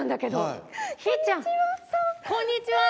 こんにちは。